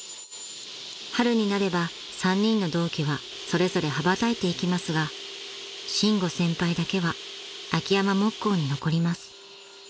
［春になれば３人の同期はそれぞれ羽ばたいていきますが伸吾先輩だけは秋山木工に残ります］